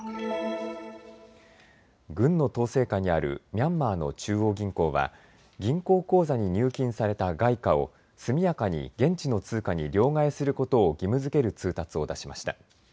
軍の統制下にあるミャンマーの中央銀行は銀行口座に入金された外貨を速やかに現地の通貨に両替することを義務づける通達を出しました。